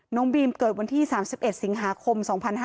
น้องบีมเกิดวันที่๓๑สิงหาคม๒๕๕๙